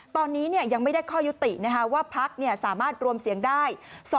ตอนนี้ยังไม่ได้ข้อยุติว่าพักสามารถรวมเสียงได้